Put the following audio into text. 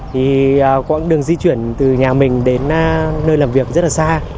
thì quãng đường di chuyển từ nhà mình đến nơi làm việc rất là xa